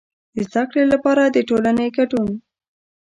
د زده کړې لپاره د ټولنې کډون.